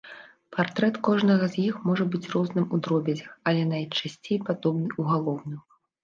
Партрэт кожнага з іх можа быць розным у дробязях, але найчасцей падобны ў галоўным.